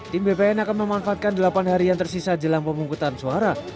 tim bpn akan memanfaatkan delapan hari yang tersisa jelang pemungkutan suara